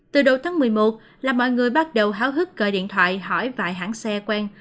từ đầu tháng một mươi một là mọi người bắt đầu háo hức gọi điện thoại hỏi vài hãng xe quen